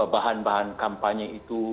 bahan bahan kampanye itu